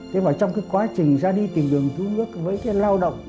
thế mà trong cái quá trình ra đi tìm đường cứu nước với cái lao động